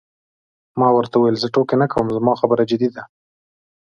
ما ورته وویل: زه ټوکې نه کوم، زما خبره جدي ده.